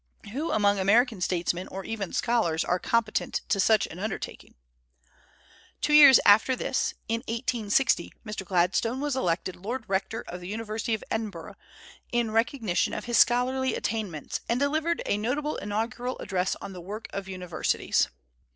Who among American statesmen or even scholars are competent to such an undertaking? Two years after this, in 1860, Mr. Gladstone was elected Lord Rector of the University of Edinburgh in recognition of his scholarly attainments, and delivered a notable inaugural address on the work of universities.